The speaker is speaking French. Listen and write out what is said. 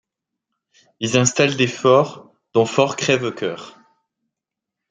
Ils installent des forts, dont Fort Crèvecœur.